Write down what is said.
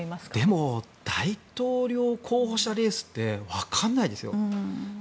でも大統領候補者レースってわからないですよ。